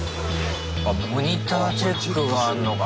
あモニターチェックがあんのか。